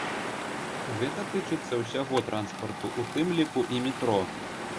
Гэта тычыцца ўсяго транспарту, у тым ліку і метро.